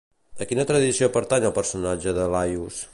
A quina tradició pertany el personatge de Laios?